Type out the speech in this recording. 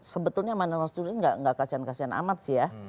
sebetulnya saya sama nazarudin enggak kasihan kasihan amat sih ya